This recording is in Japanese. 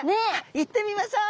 行ってみましょう！